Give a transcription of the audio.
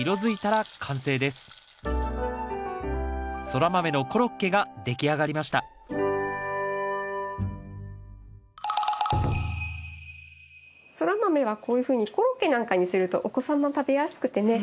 ソラマメのコロッケが出来上がりましたソラマメはこういうふうにコロッケなんかにするとお子さんも食べやすくてね。